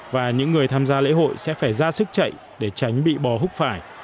và những người tham gia lễ hội sẽ phải ra sức chạy để tránh bị bò húc phải